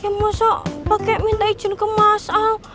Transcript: ya masa pake minta izin ke mas al